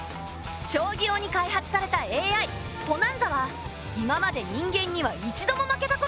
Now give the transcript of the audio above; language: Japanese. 将棋用に開発されたＡＩポナンザは今まで人間には一度も負けたことがない。